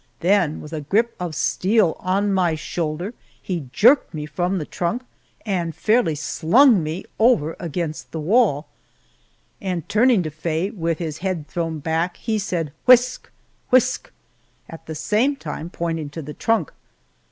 Then with a grip of steel on my shoulder, he jerked me from the trunk and fairly slung me over against the wall, and turning to Faye with his head thrown back he said, "Whisk! Whisk!" at the same time pointing to the trunk.